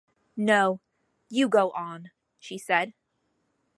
“No; you go on,” she said.